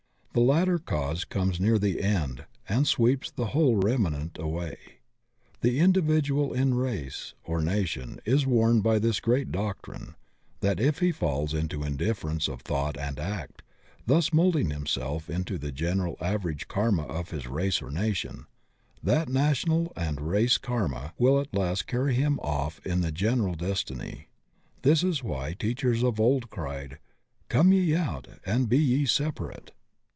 The latter cause comes near the end and sweeps the whole remnant away. And the individual in race or nation is warned by &is great doctrine that if he falls into indifference of thou^t and act, thus moulding himself into the general average karma of his race or nation, that na tional and race karma will at last carry him off in tfie general destiny. This is why teachers of old cried, "Come ye out and be ye separate."